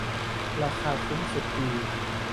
ราคาคุ้มสุด ปี